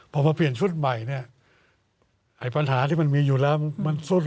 พอมาเปลี่ยนชุดใหม่เนี่ยไอ้ปัญหาที่มันมีอยู่แล้วมันซุด